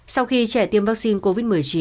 sau khi trẻ tiêm vaccine covid một mươi chín